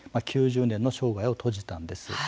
９０年の生涯を閉じたんです。